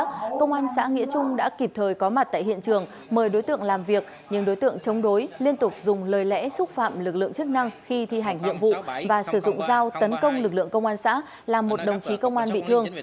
trước đó công an xã nghĩa trung đã kịp thời có mặt tại hiện trường mời đối tượng làm việc nhưng đối tượng chống đối liên tục dùng lời lẽ xúc phạm lực lượng chức năng khi thi hành nhiệm vụ và sử dụng dao tấn công lực lượng công an xã làm một đồng chí công an bị thương